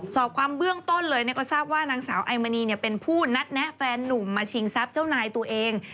สอบความเบื้องต้นเลยก็ทราบว่านางสาวไอมณีเป็นผู้นัดแนะแฟนนุ่มมาชิงทรัพย์เจ้านายตัวเอง